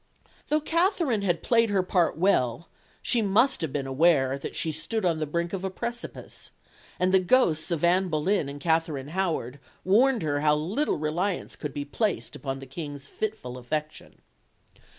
Though Katherine had played her part well, she must have been aware that she stood on the brink of a precipice, and the ghosts of Anne Boleyn and Katherine Howard warned her how little reliance could be placed upon the King's fitful affection.